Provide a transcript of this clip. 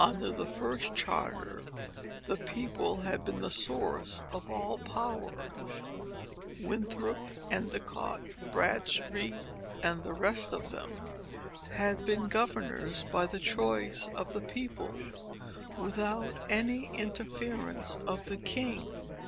"Under the first charter, the people had been the source of all power. Winthrop, Endicott, Bradstreet, and the rest of them, had been governors by the choice of the people, without any interference of the king.